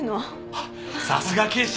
あっさすが警視！